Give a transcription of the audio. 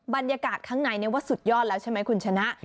บรรยากาศข้างในว่าสุดยอดแล้วใช่ไหมคุณชนะ